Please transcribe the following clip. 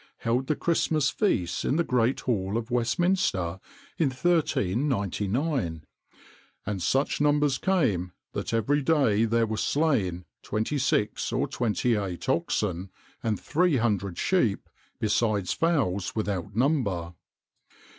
held the Christmas feasts in the great hall of Westminster in 1399, "and such numbers came, that every day there were slain twenty six or twenty eight oxen and three hundred sheep, besides fowls without number."